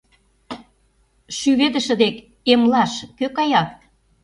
Шӱведыше дек «эмлаш» кӧ кая?